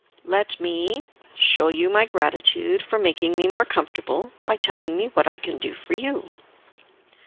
"Let me," he said, "show you my gratitude for making me more comfortable by telling me what I can do for you."